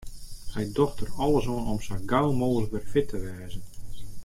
Hy docht der alles oan om sa gau mooglik wer fit te wêzen.